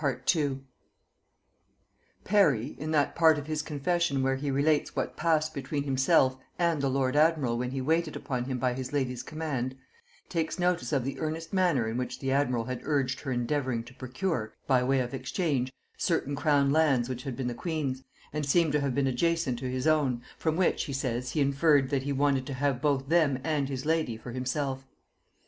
Parry, in that part of his confession where he relates what passed between himself and the lord admiral when he waited upon him by his lady's command, takes notice of the earnest manner in which the admiral had urged her endeavouring to procure, by way of exchange, certain crown lands which had been the queen's, and seem to have been adjacent to his own, from which, he says, he inferred, that he wanted to have both them and his lady for himself.